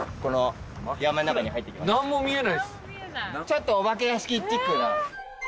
ちょっとお化け屋敷チックな。